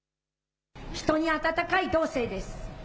人に温かい道政です。